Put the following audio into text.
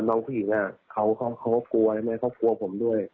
น้องผู้หญิงเขาก็กลัวใช่ไหมเขากลัวผมด้วย